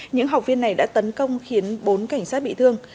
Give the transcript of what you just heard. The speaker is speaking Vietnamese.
những học viên này đã tấn công khiến bốn cảnh sát bị thương